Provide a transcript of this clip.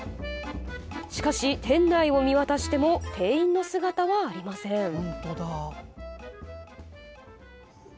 しかし、店内を見渡しても店員の姿はありません。